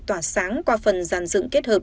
tỏa sáng qua phần giàn dựng kết hợp